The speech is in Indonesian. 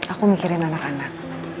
aku mikirin anak anak